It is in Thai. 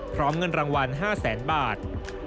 พร้อมเงินรางวัล๕แสนบาท